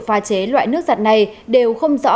pha chế loại nước giặt này đều không rõ